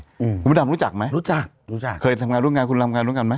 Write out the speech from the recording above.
อืมคุณภัยโรธใจสิงห์รู้จักไหมรู้จักรู้จักเคยทำงานรุ่นงานคุณรำงานรุ่นงานไหม